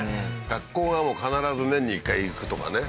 学校がもう必ず年に一回行くとかね